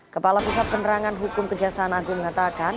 kepala pusat penerangan hukum kejaksaan agung mengatakan